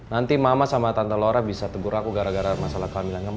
nanti mama sama tante lora bisa tegur aku gara gara masalah kehamilan kamu